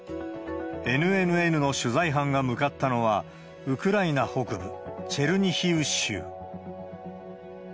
ＮＮＮの取材班が向かったのは、ウクライナ北部チェルニヒウ州。